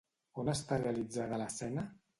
On està realitzada l'escena?